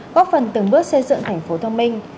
góp phần từng bước xây dựng thành phố thông minh